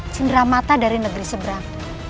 cenderamata dari negeri seberang